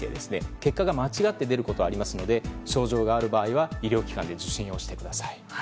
結果が間違って出ることがありますので症状がある場合は医療機関で受診してください。